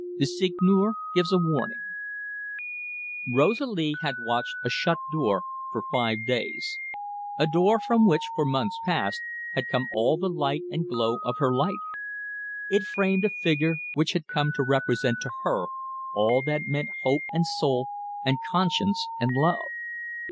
THE SEIGNEUR GIVES A WARNING Rosalie had watched a shut door for five days a door from which, for months past, had come all the light and glow of her life. It framed a figure which had come to represent to her all that meant hope and soul and conscience and love.